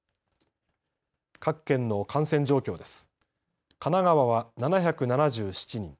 各県の感染状況です。